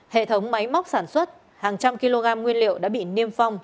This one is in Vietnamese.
hệ thống máy móc sản xuất hàng trăm kg nguyên liệu đã bị niêm phong